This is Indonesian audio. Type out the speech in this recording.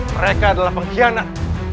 mereka adalah pengkhianat